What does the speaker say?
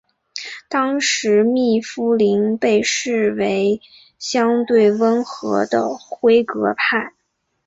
当时密夫林被视为相对温和的辉格派。